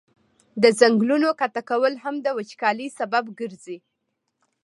د ځنګلونو قطع کول هم د وچکالی سبب ګرځي.